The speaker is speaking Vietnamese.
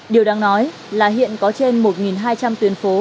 điều đáng nói là hiện có trên một hai trăm linh tuyến phố